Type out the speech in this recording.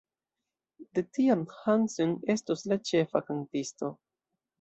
De tiam Hansen estos la ĉefa kantisto.